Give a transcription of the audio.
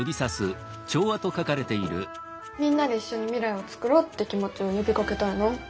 「みんなで一緒に未来をつくろう」って気持ちを呼びかけたいな。